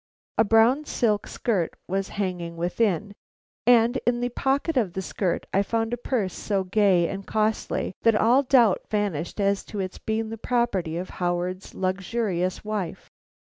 A brown silk skirt was hanging within, and in the pocket of that skirt I found a purse so gay and costly that all doubt vanished as to its being the property of Howard's luxurious wife.